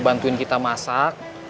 bantuin kita masak